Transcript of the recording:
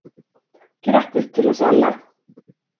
Grattis till oss alla!